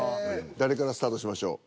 誰からスタートしましょう？